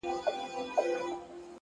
پوه انسان د زده کړې پای نه ویني.